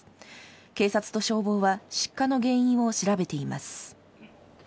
警察と消防は出火の原因を調べています。